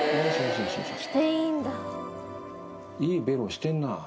いいベロしてんな。